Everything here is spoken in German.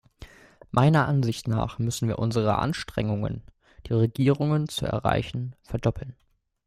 Meiner Ansicht nach müssen wir unsere Anstrengungen, die Regierungen zu erreichen, verdoppeln.